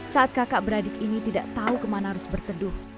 saat kakak beradik ini tidak tahu kemana harus berteduh